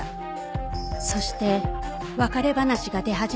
そして別れ話が出始めた５カ月前。